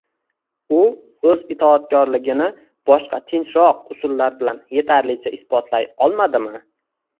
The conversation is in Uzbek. U o‘z itoatkorligini boshqa “tinchroq” usullar bilan yetarlicha isbotlay olmadimi?